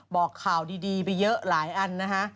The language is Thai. บอกข่าวดีไปเยอะหลายอันนะฮะ